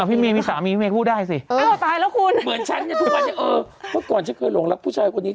เอาพี่เมย์มีสามีพี่เมย์ผู้ได้สิ